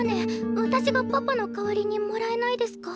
私がパパの代わりにもらえないですか？